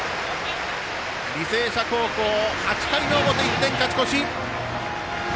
履正社高校、８回の表１点勝ち越し！